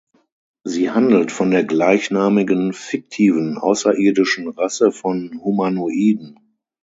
Sie handelt von der gleichnamigen fiktiven außerirdischen Rasse von Humanoiden.